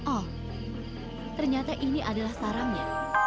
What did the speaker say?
oh ternyata ini adalah sarangnya